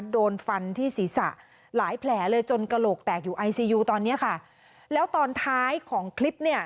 โดนฟันที่ศีรษะหลายแผลเลยจนกระโหลกแตกอยู่ไอซียูตอนเนี้ยค่ะแล้วตอนท้ายของคลิปเนี่ย